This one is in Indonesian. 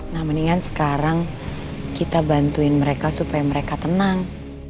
nah mendingan sekarang kita bantuin mereka supaya mereka tenang